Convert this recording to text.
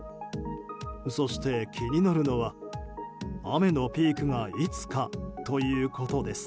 そして気になるのは雨のピークがいつかということです。